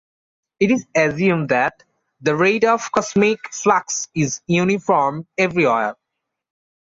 It is assumed that the rate of cosmic flux is uniform everywhere.